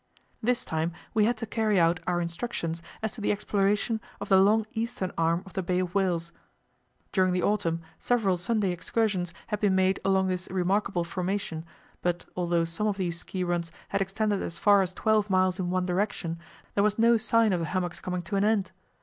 This time we had to carry out our instructions as to the exploration of the long eastern arm of the Bay of Whales. During the autumn several Sunday excursions had been made along this remarkable formation; but although some of these ski runs had extended as far as twelve miles in one direction, there was no sign of the hummocks coming to an end.